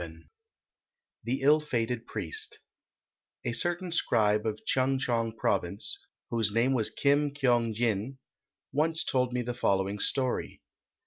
VII THE ILL FATED PRIEST A certain scribe of Chung chong Province, whose name was Kim Kyong jin, once told me the following story.